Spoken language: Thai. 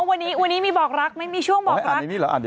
วันนี้มีบอกรักไหมมีช่วงบอกรัก